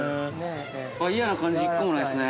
嫌な感じ、一個もないですね。